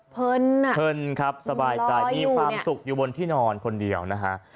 เพลินครับสบายใจมีความสุขอยู่บนที่นอนคนเดียวนะฮะ